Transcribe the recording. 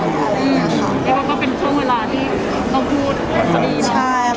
มันจะดีมาก